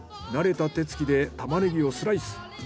慣れた手つきでタマネギをスライス。